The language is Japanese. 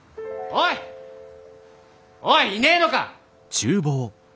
おいいねえのか！